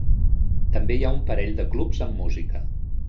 També hi ha un parell de clubs amb música.